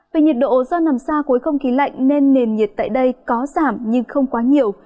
về nhiệt độ do nằm xa khối không khí lạnh nên nền nhiệt tại đây có giảm nhưng không quá nhiều